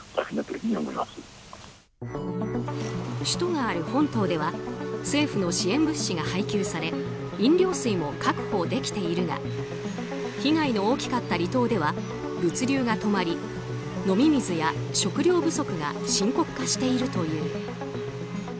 首都がある本島では政府の支援物資が配給され飲料水も確保できているが被害の大きかった離島では物流が止まり飲み水や食料不足が深刻化しているという。